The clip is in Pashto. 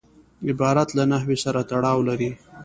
عبارت له نحو سره تړاو لري.